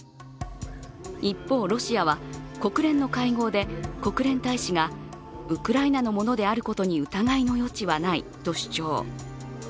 一方、ロシアは国連の会合で国連大使がウクライナのものであることに疑いの余地はないと主張。